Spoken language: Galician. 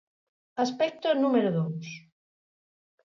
Aspecto número dous.